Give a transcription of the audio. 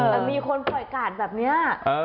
แต่มีคนปล่อยกาดแบบนี้